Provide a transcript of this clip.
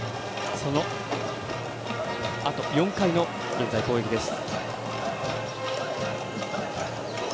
そのあと、４回の攻撃です。